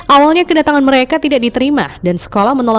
awalnya kedatangan mereka tidak diterima dan sekolah menolak